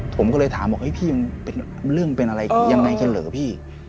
ผมก็เลยถามบอกเฮ้ยพี่เรื่องเป็นอะไรยังไงกันเหรอพี่